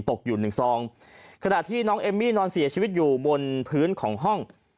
ตกอยู่หนึ่งซองขณะที่น้องเอมมี่นอนเสียชีวิตอยู่บนพื้นของห้อง